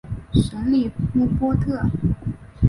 什里夫波特。